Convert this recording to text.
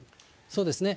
そうですね。